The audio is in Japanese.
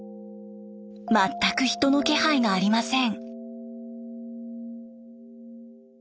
全く人の気配がありません。